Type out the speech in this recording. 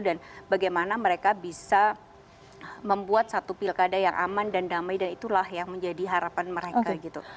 dan bagaimana mereka bisa membuat satu pilkada yang aman dan damai dan itulah yang menjadi harapan mereka gitu